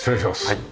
はい。